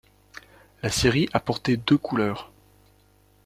La série a porté deux couleurs.